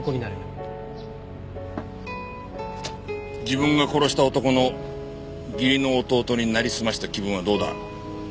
自分が殺した男の義理の弟になりすました気分はどうだ？